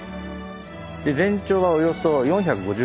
全長はおよそ４５０ｋｍ。